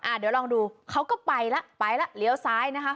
อ่าเดี๋ยวลองดูเขาก็ไปละไปละเลี้ยวซ้ายนะคะ